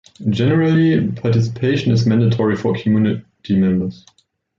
Generally, participation is mandatory for community members.